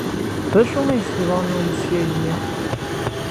D acu ay as-yeḍran i umeslal-nni?